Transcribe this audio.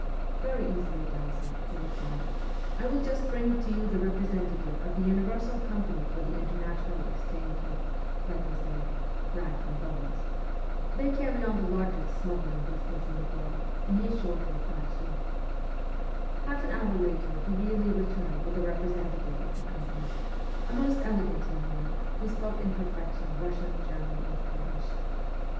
' Very easily done, sir,' he replied. ' I will just bring to you the representative of the Universal Company for the International Exchange of (let me say) Bags and Bones. Tliey carry on the largest smuggling business in the world, and he is sure to oblige you.' Half an hour later he really returned with the representative of the company a most elegant young man, who spoke in perfection Kussian, German, and Polish.